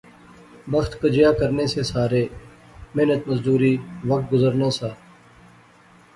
بخت کجیا کرنے سے سارے، محنت مزدوری، وقت گزرنا سا